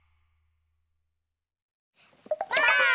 ばあっ！